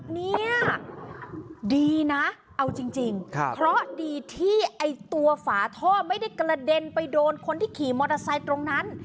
เนี่ยดีนะเอาจริงเพราะดีที่ไอ้ตัวฝาท่อไม่ได้กระเด็นไปโดนคนที่ขี่มอเตอร์ไซค์ตรงนั้น